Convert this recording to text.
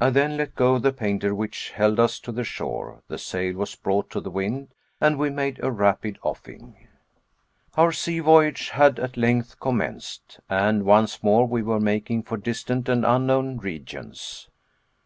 I then let go the painter which held us to the shore, the sail was brought to the wind, and we made a rapid offing. Our sea voyage had at length commenced; and once more we were making for distant and unknown regions.